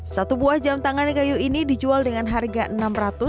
satu buah jam tangan kayu ini dijual dengan harga rp enam ratus